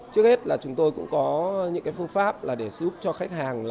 trước hết là chúng tôi cũng có những phương pháp để xây dựng cho khách hàng